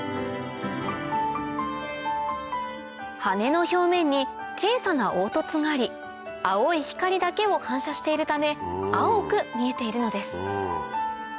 羽の表面に小さな凹凸があり青い光だけを反射しているため青く見えているのです